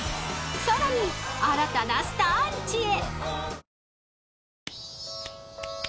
［さらに新たなスターん家へ］